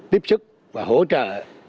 tiếp xúc và hỗ trợ